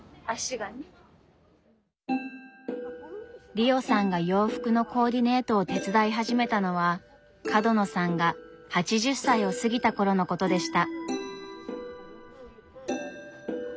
リオさんが洋服のコーディネートを手伝い始めたのは角野さんが８０歳を過ぎた頃のことでした。